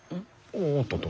おっとっと。